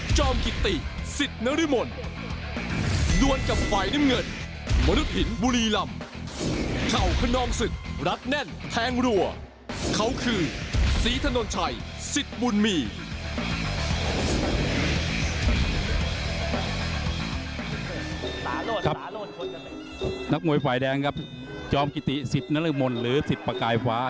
จอมกิติศิษฐ์นรมล์หรือศิษฐ์ประกายฟ้า